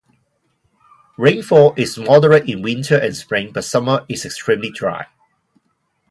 Rainfall is moderate in winter and spring, but summer is extremely dry.